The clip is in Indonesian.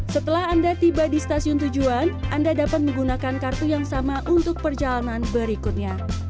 setelah anda tiba di stasiun tujuan anda dapat menggunakan kartu yang sama untuk perjalanan berikutnya